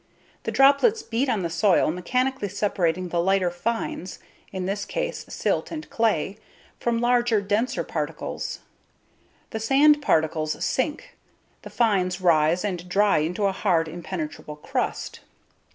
The droplets beat on the soil, mechanically separating the lighter "fines" (in this case silt and clay) from larger, denser particles. The sand particles sink, the fines rise and dry into a hard, impenetrable crust.